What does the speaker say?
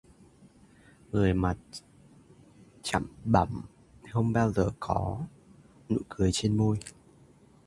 Người mặt chẳm bẳm, không bao giờ có nụ cười trên môi